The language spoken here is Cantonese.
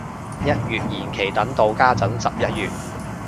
一月延期等到家陣十一月